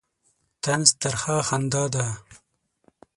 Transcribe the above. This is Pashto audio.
طنز ترخه خندا ده.